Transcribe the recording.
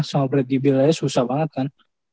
sama brady bale aja susah banget kan